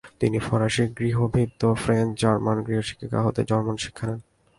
তিনি ফরাসি গৃহভৃত্য ফ্রেঞ্চ ও জর্মন গৃহশিক্ষিকা হতে জর্মন শিখে নেন।